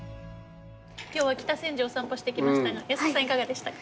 今日は北千住お散歩してきましたがやす子さんいかがでしたか？